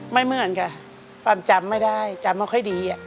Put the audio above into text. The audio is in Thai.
ไม่เหมือนค่ะความจำไม่ได้จำไม่ค่อยดี